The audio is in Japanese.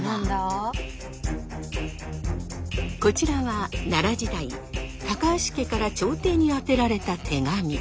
こちらは奈良時代高橋家から朝廷に宛てられた手紙。